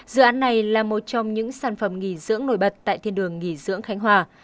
dự án này là một trong những sản phẩm nghỉ dưỡng nổi bật tại thiên đường nghỉ dưỡng khánh hòa